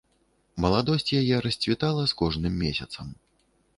Маладосць яе расцвітала з кожным месяцам.